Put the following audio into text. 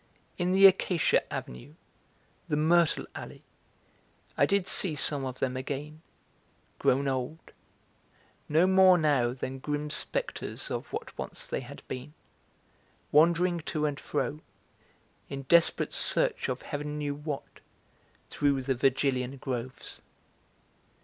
in the acacia avenue the myrtle alley I did see some of them again, grown old, no more now than grim spectres of what once they had been, wandering to and fro, in desperate search of heaven knew what, through the Virgilian groves.